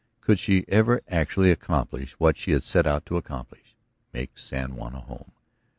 Could she ever actually accomplish what she had set out to accomplish; make San Juan a home?